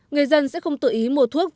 người dân sẽ không tự ý mua thuốc